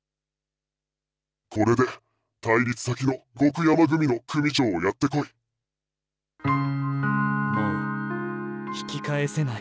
これで対立先の極山組の組長をやってこい。